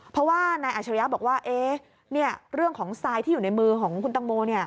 เพราะว่านายอัชริยะบอกว่าเรื่องของทรายที่อยู่ในมือของคุณตังโม